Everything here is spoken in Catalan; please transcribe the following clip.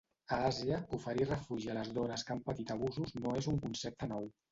A Àsia, oferir refugi a les dones que han patit abusos no és un concepte nou.